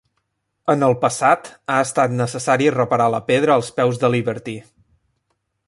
En el passat, ha estat necessari reparar la pedra als peus de Liberty.